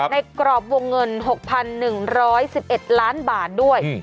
กรอบวงเงิน๖๑๑๑๑ล้านบาทด้วย